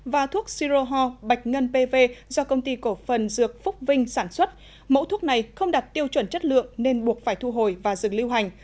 và thuốc siroho bạch ngân pv do công ty cổ phần dược phúc vinh sản xuất mẫu thuốc này không đặt tiêu chuẩn chất lượng nên buộc phải thu hồi và dừng lưu hành